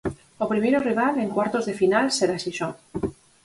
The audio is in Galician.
O primeiro rival, en cuartos de final será Xixón.